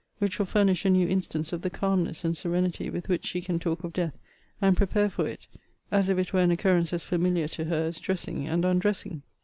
which will furnish a new instance of the calmness and serenity with which she can talk of death, and prepare for it, as if it were an occurrence as familiar to her as dressing and undressing.